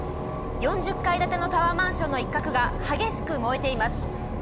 ４０階建てのタワーマンションの一角が激しく燃えています。